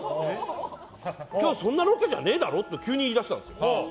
今日そんなロケじゃねえだろって急に言い出したんです。